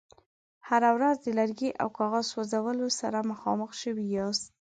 هره ورځ د لرګي او کاغذ سوځولو سره مخامخ شوي یاست.